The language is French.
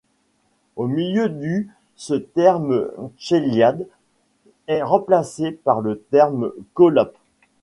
Au milieu du ce terme tchéliad est remplacé par le terme kholop.